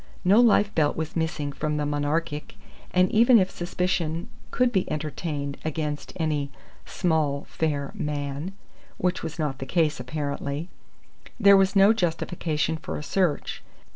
No life belt was missing from the Monarchic and even if suspicion could be entertained against any "small, fair man" (which was not the case, apparently), there was no justification for a search.